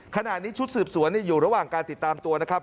ขณะนี้ชุดสืบสวนอยู่ระหว่างการติดตามตัวนะครับ